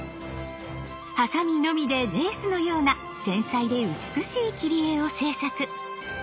ハサミのみでレースのような繊細で美しい切り絵を制作。